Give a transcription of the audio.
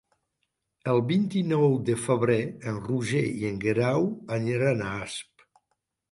El vint-i-nou de febrer en Roger i en Guerau aniran a Asp.